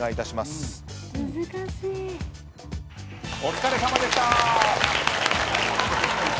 はいお疲れさまでした。